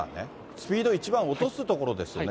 スピード一番落とす所ですよね。